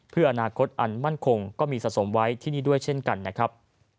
เพื่ออนาคตอันมั่นคงก็มีสะสมไว้ที่นี่ด้วยเช่นกันนะครับ